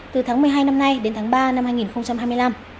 từ tháng một mươi hai năm nay đến tháng ba năm hai nghìn hai mươi năm